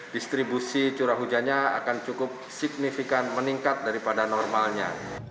distribusi curah hujannya akan cukup signifikan meningkat daripada normalnya